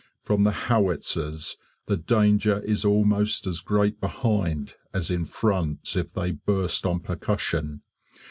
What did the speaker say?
From the howitzers, the danger is almost as great behind as in front if they burst on percussion.